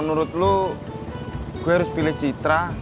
menurut lo gue harus pilih citra